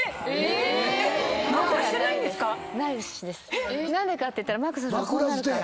えっ⁉何でかっていったら枕するとこうなるから。